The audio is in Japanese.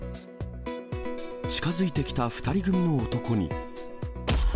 近づいてきた２人組の男に。